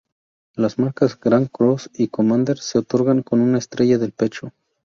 Las marcas Grand Cross y Commander se otorgan con una estrella del pecho.